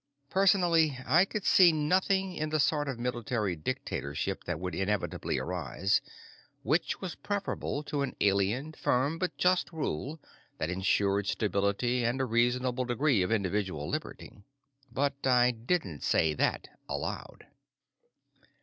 Personally, I could see nothing in the sort of military dictatorship that would inevitably arise which was preferable to an alien, firm, but just rule that insured stability and a reasonable degree of individual liberty. But I didn't say that aloud.